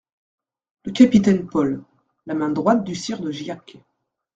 =Le Capitaine Paul= (La main droite du Sire de Giac).